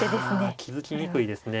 いや気付きにくいですね。